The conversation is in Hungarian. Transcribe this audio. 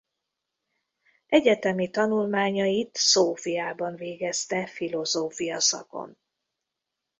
Egyetemi tanulmányait Szófiában végezte filozófia szakon.